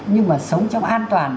nhưng mà sống trong an toàn